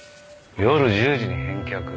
夜１０時に返却。